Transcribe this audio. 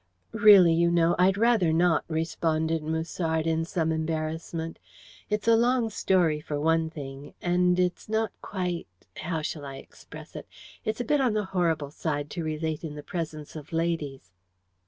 "Really, you know, I'd rather not," responded Musard, in some embarrassment. "It's a long story, for one thing, and it's not quite how shall I express it it's a bit on the horrible side to relate in the presence of ladies."